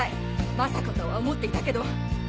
まさかとは思っていたけど。